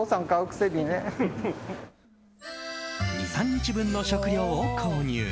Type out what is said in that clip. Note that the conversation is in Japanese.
２３日分の食料を購入。